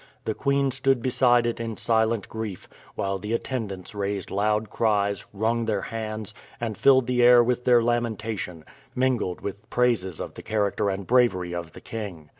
The queen stood beside it in silent grief, while the attendants raised loud cries, wrung their hands, and filled the air with their lamentation, mingled with praises of the character and bravery of the king.